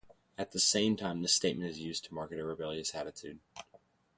At the same time this statement is used to market a rebellious attitude.